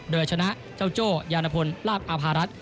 โดยชนะเจ้าโจ้ยานพลลาบอาภารัฐ